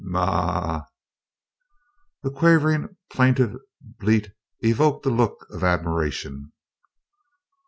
"Ma a a aa!" The quavering plaintiff bleat evoked a look of admiration.